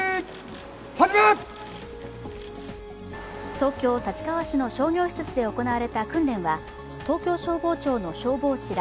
東京・立川市の商業施設で行われた訓練は東京消防庁の消防士ら